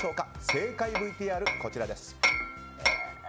正解ＶＴＲこちらです。